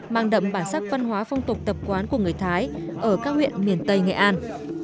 mang đậm bản sắc văn hóa phong tục tập quán của người thái ở các huyện miền tây nghệ an